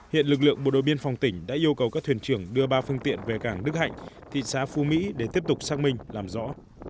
hiện lực lượng bộ đội biên phòng tỉnh đã yêu cầu các thuyền trưởng đưa ba phương tiện về cảng đức hạnh thị xã phú mỹ để tiếp tục xác minh làm rõ